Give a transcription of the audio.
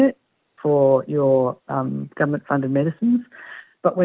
untuk uang yang diundang oleh pemerintah